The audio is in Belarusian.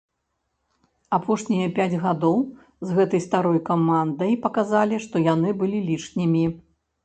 Апошнія пяць гадоў з гэтай старой камандай паказалі, што яны былі лішнімі.